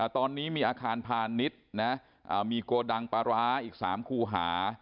ตอนนี้มีอาคารพาณิชย์มีโกดังปลาร้าอีก๓คูหา